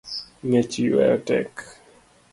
Ngech ywayo tek